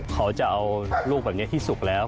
เขาจะเอาลูกแบบนี้ที่สุกแล้ว